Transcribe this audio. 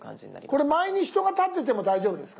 これ前に人が立ってても大丈夫ですか？